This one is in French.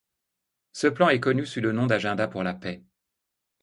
Ce plan est connu sous le nom d'agenda pour la paix.